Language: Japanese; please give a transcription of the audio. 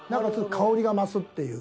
香りが増すっていう。